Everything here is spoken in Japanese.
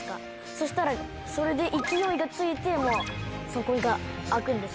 そしたらそれで勢いがついて底が空くんです。